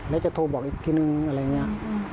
แล้วจะโทรบอกอีกทีนึงอะไรอย่างนี้